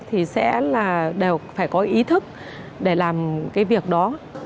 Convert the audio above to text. thì sẽ là đều phải có ý thức để làm cái việc đó